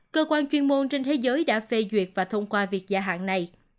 cơ quan chuyên môn trên thế giới đã phê duyệt và thông qua việc gia hạn này